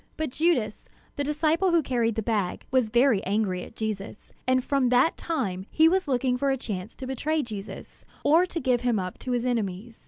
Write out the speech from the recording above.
But Judas, the disciple who carried the bag, was very angry at Jesus; and from that time he was looking for a chance to betray Jesus, or to give him up to his enemies.